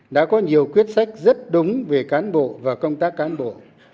đã có nhiều quyết sách rất đúng về cán bộ và công tác cán bộ